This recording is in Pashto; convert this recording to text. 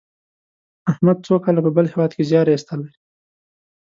احمد څو کاله په بل هېواد کې زیار ایستلی.